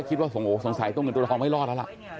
คิดว่าสงสัยตัวเงินตัวทองไม่รอดแล้วล่ะ